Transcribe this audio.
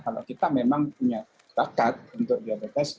kalau kita memang punya bakat untuk diabetes